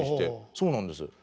そうなんです。